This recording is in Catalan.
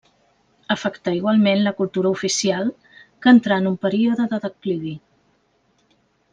Afectà igualment la cultura oficial, que entrà en un període de declivi.